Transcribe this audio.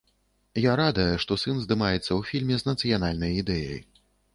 Я радая, што сын здымаецца ў фільме з нацыянальнай ідэяй.